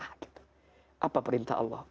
aku tahu kemarin aku sama perintah allah